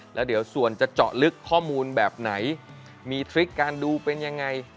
แล้วเดี๋ยวส่วนจะเจาะลึกข้อมูลแบบไหนมีทริคการดูเป็นยังไง